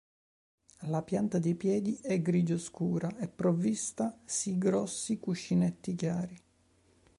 La pianta dei piedi è grigio scura e provvista si grossi cuscinetti chiari.